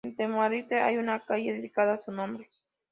En Tamarite hay una calle dedicada a su nombre.